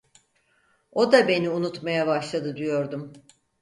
O da beni unutmaya başladı diyordum.